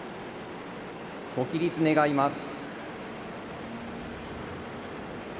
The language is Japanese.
ご起立願います。